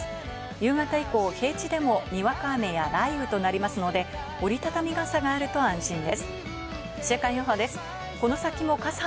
夕方以降、平地でもにわか雨や雷雨となりますので、折り畳み傘が洗っても落ちない